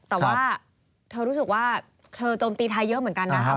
แต่ว่าเธอรู้สึกว่าเธอโจมตีไทยเยอะเหมือนกันนะครับ